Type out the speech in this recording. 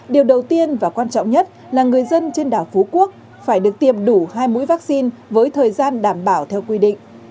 điều đầu tiên và quan trọng nhất là người dân trên đảo phú quốc phải được tiêm đủ hai mũi vaccine với thời gian đảm bảo theo quy định